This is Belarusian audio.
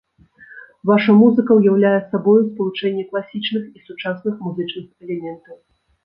Ваша музыка ўяўляе сабою спалучэнне класічных і сучасных музычных элементаў.